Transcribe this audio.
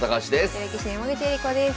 女流棋士の山口恵梨子です。